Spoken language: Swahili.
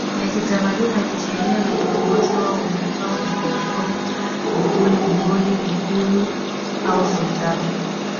ya kitamaduni na kisheria na kiongozi wao huitwa Mghongo MkuluMgoli Mkulu au Sultana